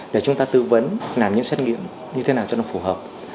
để chúng ta tư vấn làm những xét nghiệm như thế nào cho nó phù hợp